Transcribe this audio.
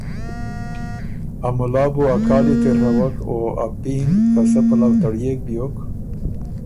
مُلا بو ا کالی تېڒوَک او ا پینګ که سۀ پَلؤ تړيېک بیوک